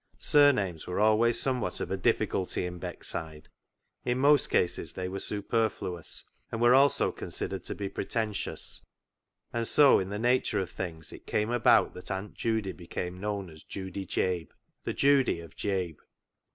Surnames were always somewhat of a difficulty in Beck side. In most cases they were superfluous, and were also considered to be pretentious, and so in the nature of things it came about that Aunt Judy became known as Judy Jabe — the Judy of Jabe.